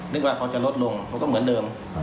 ว่าเขาจะลดลงเขาก็เหมือนเดิม